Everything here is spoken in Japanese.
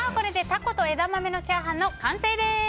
タコと枝豆のチャーハンの完成です。